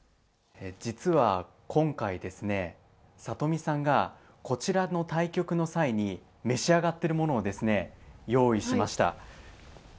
実は今回ですね里見さんがこちらの対局の際に召し上がってるものをですね用意しました。